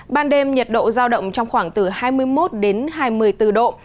ban đêm nhiệt độ giao động trong khoảng từ hai mươi một đến hai mươi bốn độ